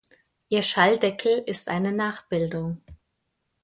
Ihr Schalldeckel ist eine Nachbildung.